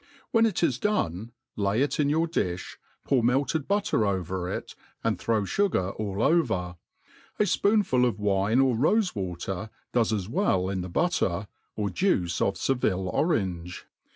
When ic is done, lay it in your difb, pojur melted butter over it, and , throw fogar all over ; a fpoonful of wine or rofe^wattr does at welt in the butter, or j.uice of Seville orange.